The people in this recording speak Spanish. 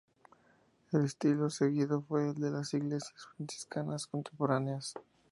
El estilo seguido fue el de las iglesias franciscanas contemporáneas.